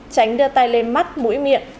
tránh đưa tay lên mắt mũi miệng